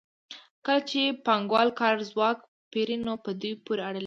کله چې پانګوال کاري ځواک پېري نو په دوی پورې اړه لري